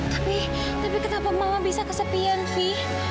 tapi tapi kenapa mama bisa kesepian sih